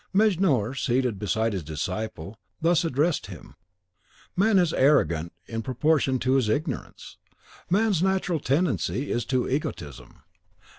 Mejnour, seated beside his disciple, thus addressed him: "Man is arrogant in proportion to his ignorance. Man's natural tendency is to egotism.